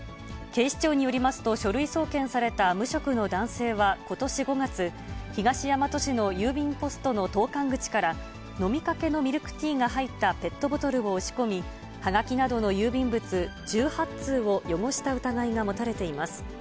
警視庁によりますと、書類送検された無職の男性はことし５月、東大和市の郵便ポストの投かん口から、のみかけのみるくてぃーがはいったペットボトルを押し込み、はがきなどの郵便物１８通を汚した疑いが持たれています。